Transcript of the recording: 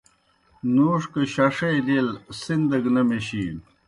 نُوݜ گہ شݜے لیل سن دہ گہ نہ میشِینوْ